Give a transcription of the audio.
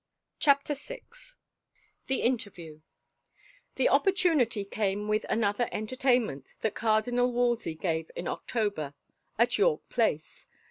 CHAPTER VI THE INTERVIEW M^^^HE opportunity came with another entertain M ^j ment that Cardinal Wolsey gave in October at ^^^^ York Place.